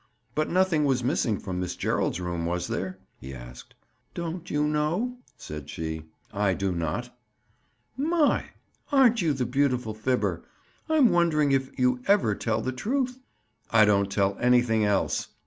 "But nothing was missing from Miss Gerald's room, was there?" he asked. "Don't you know?" said she. "I do not." "My! aren't you the beautiful fibber! I'm wondering if you ever tell the truth?" "I don't tell anything else."